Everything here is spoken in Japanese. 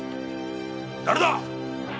誰だ！？